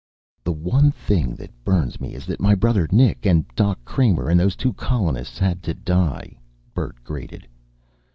"The one thing that burns me is that my brother, Nick, and Doc Kramer, and those two colonists, had to die!" Bert grated.